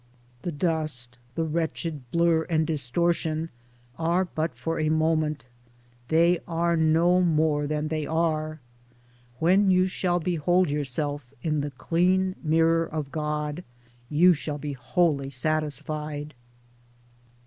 The dust, the wretched blur and distortion are but for a moment. They are no more than they are. When you shall behold yourself in the clean mirror of God you shall be wholly satisfied.